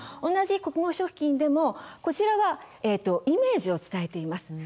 同じ国語食品でもこちらはイメージを伝えています。